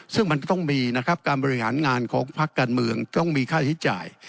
ซึ่งมันต้องมีนะครับการบริหารงานของพักการเมืองต้องมีค่าใช้จ่าย